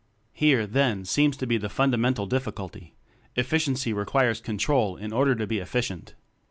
Here, then, seems to be a funda mental difficulty: Efficiency requires control in order to be efficient.